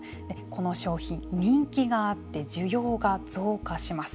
この商品、人気があって需要が増加します。